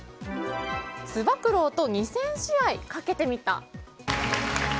つば九郎と２０００試合かけてみた。